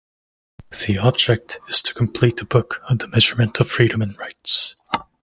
The object is to complete a book on the measurement of freedom and rights.